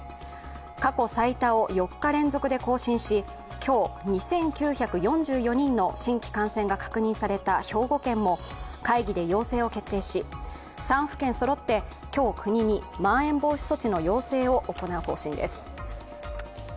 過去最多を４日連続で更新し、今日２９４４人の新規感染が確認された兵庫県も会議で要請を決定し、３府県そろって今日、国にまん延防止措置の要請を行う方針です。